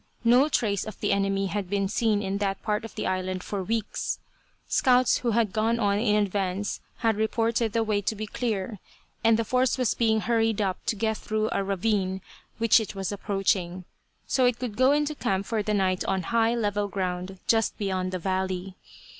No trace of the enemy had been seen in that part of the island for weeks. Scouts who had gone on in advance had reported the way to be clear, and the force was being hurried up to get through a ravine which it was approaching, so it could go into camp for the night on high, level ground just beyond the valley.